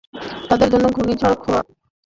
তাদের জন্য ঘূর্ণিঝড় খোদার গজব হয়ে দেখা দেয়।